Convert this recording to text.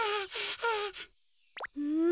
うん？